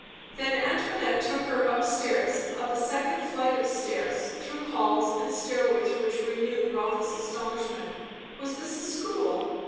Then Antoinette took her up stairs, up a second flight of stairs, through halls and stairways which renewed Rotha's astonishment. Was this a school?